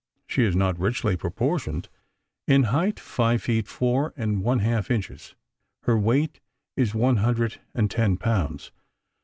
She is not richly proportioned. In height five feet four and one half inches, her weight is one hundred and ten pounds.